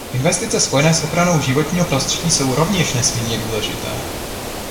Investice spojené s ochranou životního prostředí jsou rovněž nesmírně důležité.